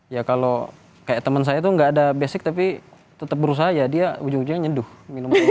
ya kalau kayak temen saya tuh gak ada basic tapi tetap berusaha ya dia ujung ujungnya nyeduh minum air